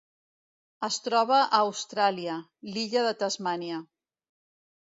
Es troba a Austràlia: l'illa de Tasmània.